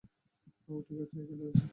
ও ঠিক এখানেই আছে।